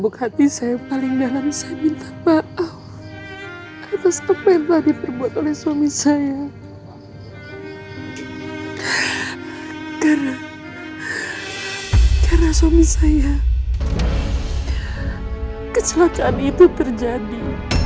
karena suami saya kecelakaan itu terjadi